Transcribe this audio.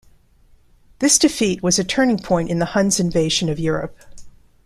This defeat was a turning point in the Huns' invasion of Europe.